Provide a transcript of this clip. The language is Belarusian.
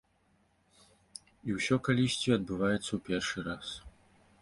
І ўсё калісьці адбываецца ў першы раз.